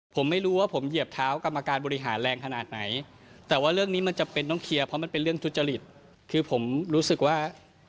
ผมไม่รู้ว่าผมเหยียบเท้ากรรมการบริหารแรงขนาดไหนแต่ว่าเรื่องนี้มันจำเป็นต้องเคลียร์เพราะมันเป็นเรื่องทุจริตคือผมรู้สึกว่า